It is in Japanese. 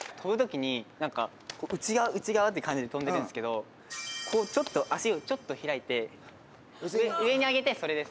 内側内側って感じで跳んでるんですけどこうちょっと足をちょっと開いて上に上げてそれです！